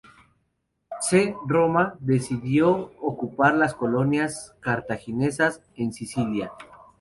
C.. Roma decidió ocupar las colonias cartaginesas en Sicilia.